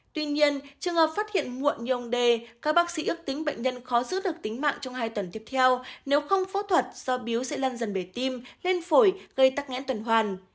tuy nhiên trường hợp phát hiện muộn như ông d các bác sĩ ước tính bệnh nhân khó giữ được tính mạng trong hai tuần tiếp theo nếu không phẫu thuật do biếu sẽ lăn dần bể tim lên phổi gây tắc nghẽn tuần hoàn